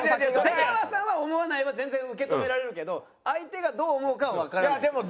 「出川さんは思わない」は全然受け止められるけど相手がどう思うかはわからないでしょ。